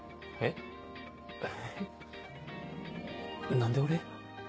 何で俺？